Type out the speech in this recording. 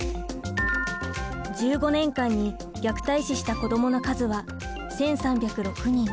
１５年間に虐待死した子どもの数は１３０６人。